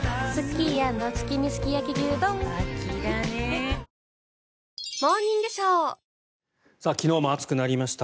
わかるぞ昨日も暑くなりました。